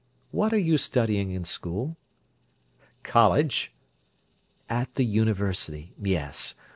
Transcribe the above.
What are you studying in school?" "College!" "At the university! Yes.